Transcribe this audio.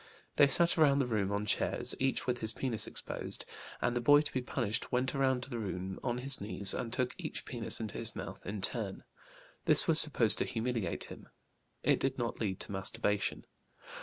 They sat around the room on chairs, each with his penis exposed, and the boy to be punished went around the room on his knees and took each penis into his mouth in turn. This was supposed to humiliate him. It did not lead to masturbation.